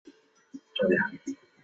王鼎人。